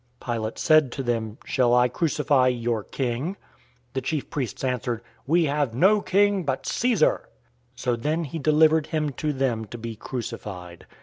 Pilate said to them, "Shall I crucify your King?" The chief priests answered, "We have no king but Caesar!" 019:016 So then he delivered him to them to be crucified.